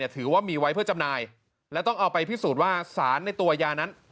ถือว่ามีไว้เพื่อจำหน่ายและต้องเอาไปพิสูจน์ว่าสารในตัวยานั้น